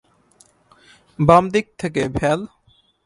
বাম দিক থেকে, ভ্যাল।